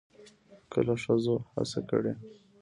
کله ښځو هڅه کړې